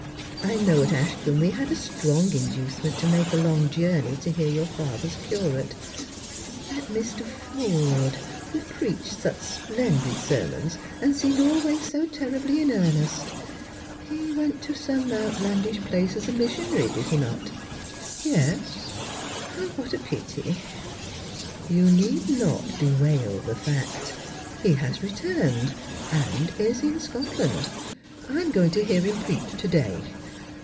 I know at Ashcombe we had a strong inducement to make a long journey to hear your father's curate — that Mr. Forde, who preached such splendid sermons, and seemed always so terribly in earnest He went to some outlandish place as a missionary, did he not P" " Yes." " What a pity !"," You need not bewail the fact. He has returned, and is in Scotland. I am going to hear him preach to day.